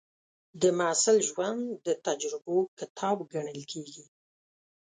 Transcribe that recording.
د محصل ژوند د تجربو کتاب ګڼل کېږي.